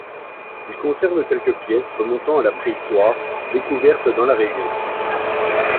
Il conserve quelques pièces remontant à la Préhistoire, découvertes dans la région.